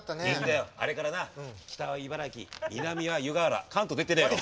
あれからな北は茨城南は湯河原関東出てねえの。